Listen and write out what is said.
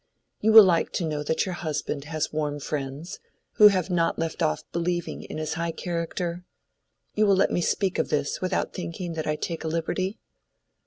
You will like to know that your husband has warm friends, who have not left off believing in his high character? You will let me speak of this without thinking that I take a liberty?"